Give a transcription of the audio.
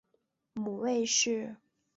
母魏氏。